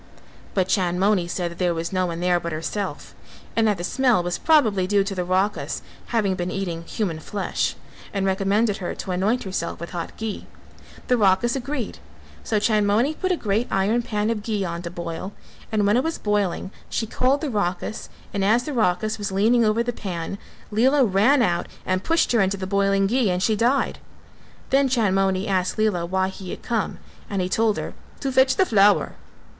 But Chandmoni said that there was no one there but herself; and that the smell was probably due to the Rakhas having been eating human flesh and recommended her to anoint herself with hot ghee. The Rakhas agreed: so Chandmoni put a great iron pan of ghee on to boil, and when it was boiling she called the Rakhas, and as the Rakhas was leaning over the pan, Lela ran out and pushed her into the boiling ghee and she died. Then Chandmoni asked Lela why he had come, and he told her, "to fetch the flower."